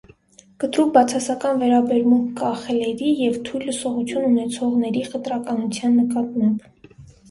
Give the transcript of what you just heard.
Կտրուկ բացասական վերաբերմունք կա խլերի և թույլ լսողություն ունեցողների խտրականության նկատմամբ։